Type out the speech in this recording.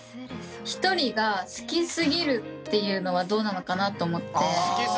ひとりが好きすぎるっていうのはどうなのかなって思って。